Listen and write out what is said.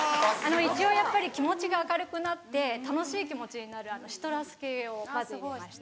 一応やっぱり気持ちが明るくなって楽しい気持ちになるシトラス系をまず入れまして。